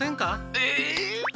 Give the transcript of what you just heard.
え！？